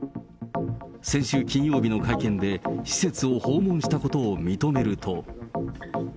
先週金曜日の会見で、施設を訪問したことを認めると。